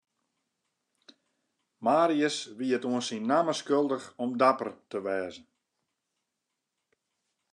Marius wie it oan syn namme skuldich om dapper te wêze.